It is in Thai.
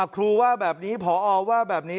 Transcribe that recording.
ครูว่าแบบนี้พอว่าแบบนี้